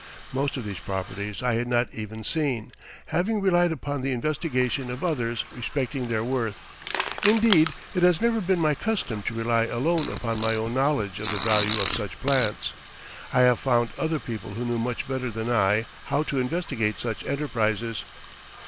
Most of these properties I had not even seen, having relied upon the investigation of others respecting their worth; indeed, it has never been my custom to rely alone upon my own knowledge of the value of such plants. I have found other people who knew much better than I how to investigate such enterprises.